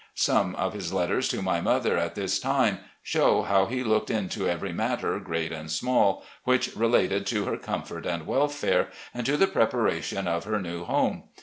Some of his letters to my mother at this time show how he looked into PRESIDENT OF WASHINGTON COLLEGE 189 every matter, great or small, which related to her comfort and welfare, and to the preparation of her new home.